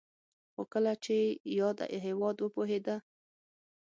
خو کله چې یاد هېواد وپوهېده